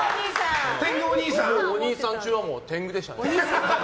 おにいさん中は天狗でしたね。